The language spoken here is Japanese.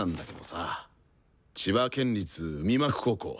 千葉県立海幕高校。